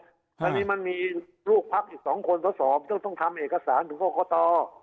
อันนี้มันมีลูกพักอีกสองคนทศต้องต้องทำเอกสารถึงโคตร